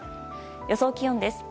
予想気温です。